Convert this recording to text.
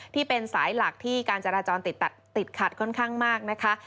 ที่เป็นสายหลักที่การจราจรติดขัดค่อนข้างมากนะคะ